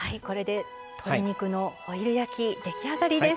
鶏肉のホイル焼き出来上がりです。